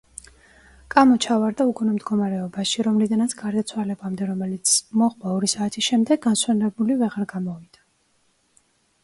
კამო ჩავარდა უგონო მდგომარეობაში, რომლიდანაც გარდაცვალებამდე, რომელიც მოჰყვა ორი საათის შემდეგ, განსვენებული ვეღარ გამოვიდა.